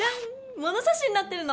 ものさしになってるの！